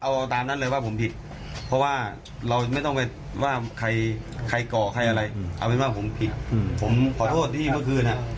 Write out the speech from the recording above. หลังจากนี้ไปก็คงจะไม่มีเรื่องมีราวขับขึ้น